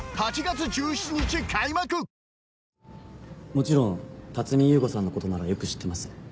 もちろん辰巳勇吾さんのことならよく知ってます。